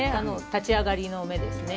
立ち上がりの目ですね。